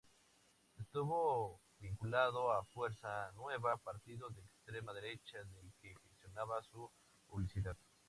Estuvo vinculado a Fuerza Nueva, partido de extrema derecha del que gestionaba su publicidad.